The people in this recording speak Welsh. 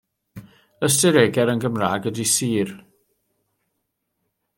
Ystyr egr yn Gymraeg ydy sur.